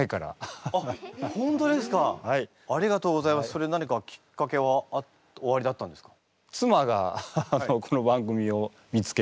それ何かきっかけはおありだったんですか？